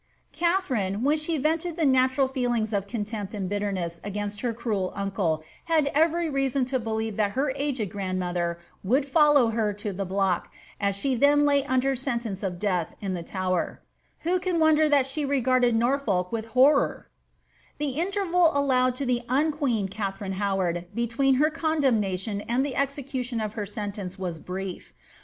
* Katharine, when the rented the natuml feelings of contempt and bilterness against her cruel uncle, had every le^ison to believe that her aged grandmother would follow her to the block, as she then lay under sentence of death in the Tower : Who can wonder that she regarded Norfolk with The interval allowed to the un queened Katharine Howard between her condemnation and the execution of her sentence was brief.